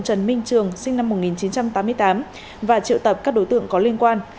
trần minh trường sinh năm một nghìn chín trăm tám mươi tám và triệu tập các đối tượng có liên quan